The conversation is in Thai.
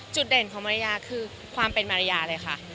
เด่นของมารยาคือความเป็นมารยาเลยค่ะ